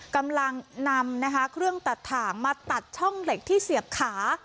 กำลังนำนะคะเครื่องตัดถ่างมาตัดช่องเหล็กที่เสียบขา